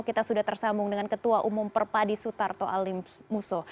kita sudah tersambung dengan ketua umum perpadi sutarto alimuso